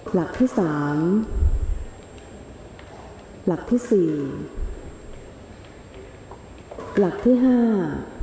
หลักที่สามหลักที่สี่หลักที่ห้า